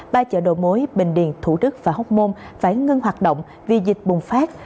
ba chợ đồ mối bình điền thủ đức và hốc môn phải ngưng hoạt động vì dịch bùng phát